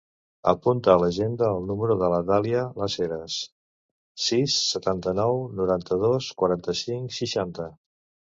Apunta a l'agenda el número de la Dàlia Las Heras: sis, setanta-nou, noranta-dos, quaranta-cinc, seixanta.